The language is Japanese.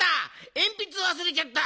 えんぴつわすれちゃった！